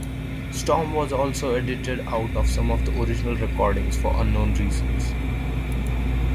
Storm was also edited out of some of the original recordings for unknown reasons.